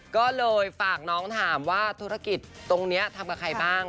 ก็เลยฝากน้องถามว่าธุรกิจตรงนี้ทำกับใครบ้าง